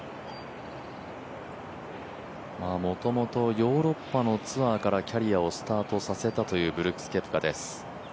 もともとヨーロッパのツアーからキャリアをスタートさせたというブルックス・ケプカです。